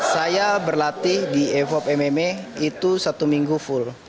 saya berlatih di evop mma itu satu minggu full